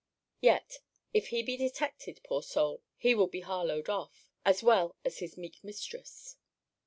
Yet, if he be detected, poor soul, he will be Harlowed off, as well as his meek mistress.